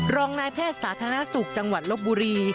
รองนายแพทย์สาธารณสุขจังหวัดลบบุรี